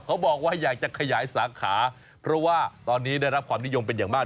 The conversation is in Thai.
เขาบอกว่าอยากจะขยายสาขาเพราะว่าตอนนี้ได้รับความนิยมเป็นอย่างมาก